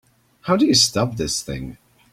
How do you stop this thing?